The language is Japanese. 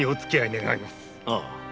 ああ。